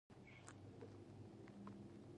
د انګریزانو دښمنانو په ځپلو کې برخه واخیسته.